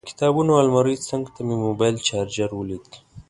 د کتابونو المارۍ څنګ ته مې موبایل چارجر ولید.